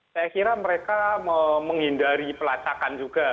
saya kira mereka menghindari pelacakan juga